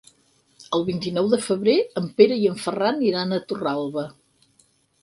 El vint-i-nou de febrer en Pere i en Ferran iran a Torralba.